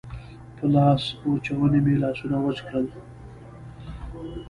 په لاسوچوني مې لاسونه وچ کړل.